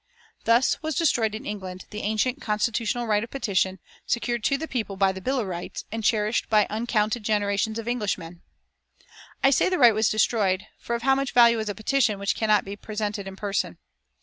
Thus was destroyed in England the ancient constitutional right of petition, secured to the people by the Bill of Rights, and cherished by uncounted generations of Englishmen. I say the right was destroyed, for of how much value is a petition which cannot be presented in person?